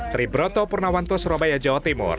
triburoto purnawanto surabaya jawa timur